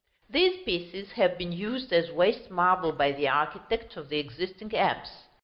These pieces have been used as waste marble by the architect of the existing apse.